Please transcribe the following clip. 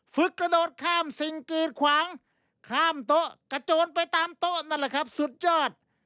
กระโดดข้ามสิ่งกีดขวางข้ามโต๊ะกระโจนไปตามโต๊ะนั่นแหละครับสุดยอด